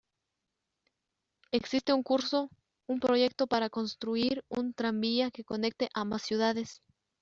Existe un curso un proyecto para construir un tranvía que conecte ambas ciudades.